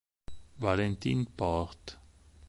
Valentin Porte